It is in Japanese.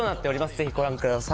ぜひご覧ください。